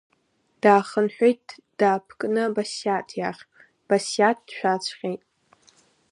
Даахынҳәит даапкны Басиаҭ иахь, Басиаҭ дшәаҵәҟьеит.